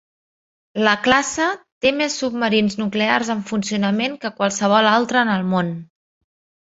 La classe té més submarins nuclears en funcionament que qualsevol altre en el món.